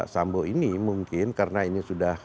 sambo ini mungkin karena ini sudah